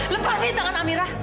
lepasin tangan amira